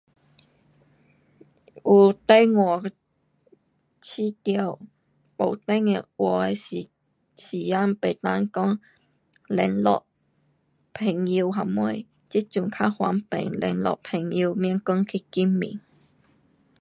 有电话，觉得没电话的时，时间不能讲联络朋友，这阵较方便联络朋友，免讲去见面。